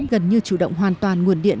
gần như chủ động hoàn toàn nguồn điện